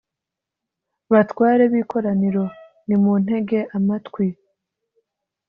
batware b’ikoraniro, nimuntege amatwi!